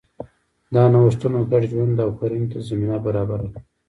دا نوښتونه ګډ ژوند او کرنې ته زمینه برابره کړه.